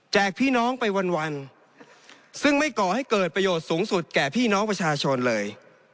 พี่น้องไปวันซึ่งไม่ก่อให้เกิดประโยชน์สูงสุดแก่พี่น้องประชาชนเลย